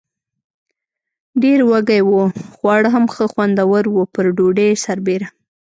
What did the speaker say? ډېر وږي و، خواړه هم ښه خوندور و، پر ډوډۍ سربېره.